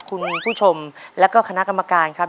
คุณผู้ชมแล้วก็คณะกรรมการครับ